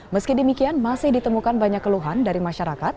meski demikian masih ditemukan banyak keluhan dari masyarakat